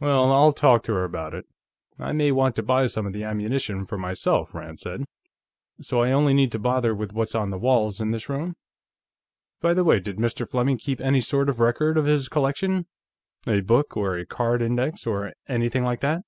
"Well, I'll talk to her about it. I may want to buy some of the ammunition for myself," Rand said. "So I only need to bother with what's on the walls, in this room?... By the way, did Mr. Fleming keep any sort of record of his collection? A book, or a card index, or anything like that?"